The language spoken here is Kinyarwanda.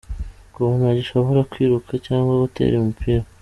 Ubu ntagishobora kwiruka cyangwa gutera umupira.